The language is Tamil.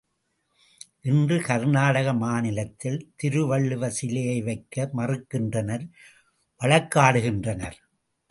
இன்று கர்நாடக மாநிலத்தில் திருவள்ளுவர் சிலையை வைக்க மறுக்கின்றனர் வழக்காடுகின்றனர்.